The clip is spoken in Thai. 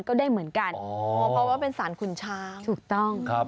ก็ได้เหมือนกันเพราะว่าเป็นสารขุนช้างถูกต้องครับ